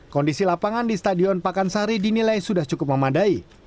kondisi lapangan di stadion pakansari dinilai sudah cukup memadai